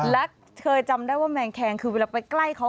และเคยจำได้ว่าแมงแคงคือเวลาไปใกล้เขา